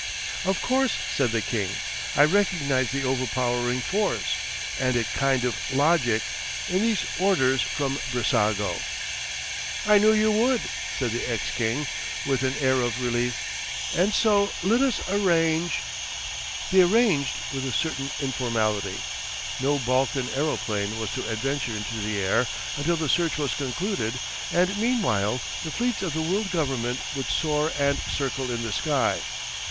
'Of course,' said the king, 'I recognise the overpowering force—and a kind of logic—in these orders from Brissago.' 'I knew you would,' said the ex king, with an air of relief, 'and so let us arrange——' They arranged with a certain informality. No Balkan aeroplane was to adventure into the air until the search was concluded, and meanwhile the fleets of the world government would soar and circle in the sky.